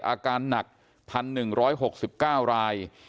อาการหนัก๑๑๖๙ราย